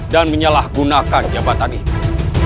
dan menyalahgunakan jabatan ini